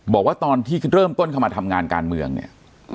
บอกว่าตอนที่เริ่มต้นเข้ามาทำงานการเมืองเนี่ย